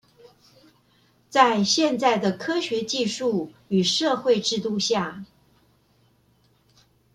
在現在的科學技術與社會制度下